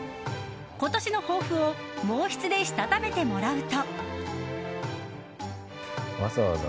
今年の抱負を毛筆でしたためてもらうと。